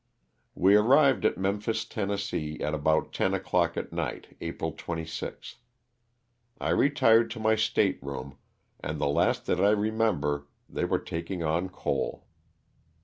We arrived at Memphis, Tenn., at about ten o'clock at night, April 26th. I retired to my state room, and the last that I remember they were taking on coal.